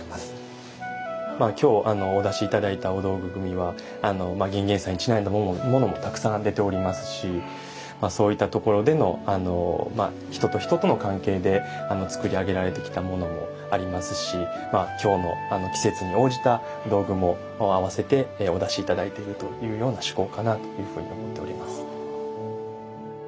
今日お出し頂いたお道具組は玄々斎にちなんだものもたくさん出ておりますしそういったところでの人と人との関係で作り上げられてきたものもありますし今日の季節に応じた道具も合わせてお出し頂いているというような趣向かなというふうに思っております。